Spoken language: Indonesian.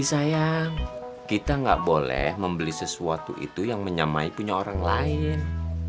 sayang kita nggak boleh membeli sesuatu itu yang menyamai punya orang lain